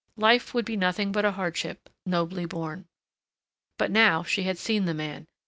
Life would be nothing but a hardship, nobly borne. But now she had seen the man.